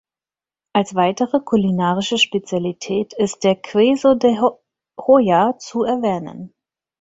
Als weitere kulinarische Spezialität ist der "queso de hoja" zu erwähnen.